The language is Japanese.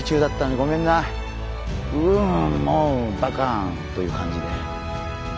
「うんもうバカ」という感じで。